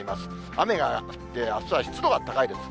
雨が降って、あすは湿度が高いです。